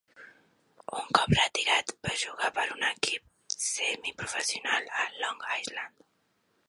Un cop retirat, va jugar per a un equip semiprofessional a Long Island.